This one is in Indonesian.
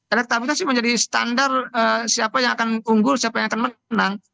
elektabilitas menjadi standar siapa yang akan unggul siapa yang akan menang